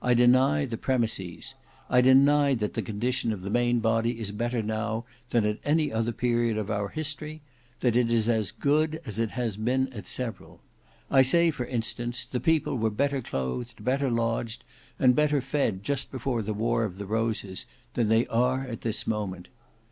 I deny the premises. I deny that the condition of the main body is better now than at any other period of our history; that it is as good as it has been at several. I say, for instance, the people were better clothed, better lodged, and better fed just before the war of the Roses than they are at this moment.